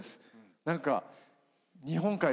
何か。